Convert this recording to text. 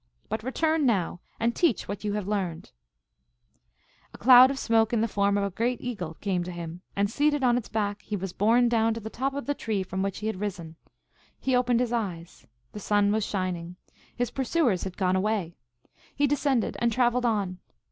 But return now, and teach what you have learned here." A cloud of smoke in the form of a great eagle came to him, and, seated on its back, he was borne down to the top of the tree from which he had risen. He opened his eyes. The sun was shining. His pursuers had gone away. He descended and traveled on.